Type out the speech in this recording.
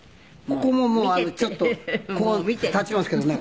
ここがもうちょっとこう立ちますけどね。